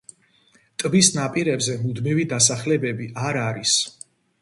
ტბის ნაპირებზე მუდმივი დასახლებები არ არის.